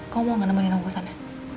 kamu mau gak nemenin aku kesana